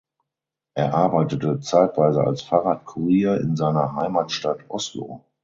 Er arbeitete zeitweise als Fahrradkurier in seiner Heimatstadt Oslo.